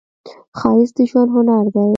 ښایست د ژوند هنر دی